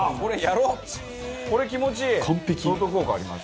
これ気持ちいい！